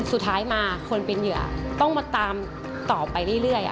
สุดท้ายมาคนเป็นเหยื่อต้องมาตามต่อไปเรื่อย